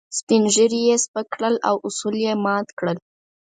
سپين ږيري يې سپک کړل او اصول يې مات کړل.